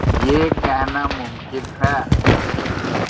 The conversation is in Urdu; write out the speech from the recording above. یہ کہنا ممکن ہے۔